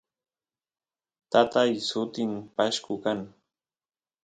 tatay sutin pashku kan